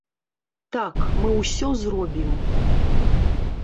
Так, мы ўсё зробім.